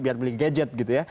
biar beli gadget gitu ya